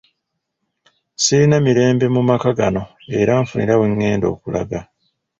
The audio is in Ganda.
Sirina mirembe mu maka gano era nfunira we ngenda okulaga.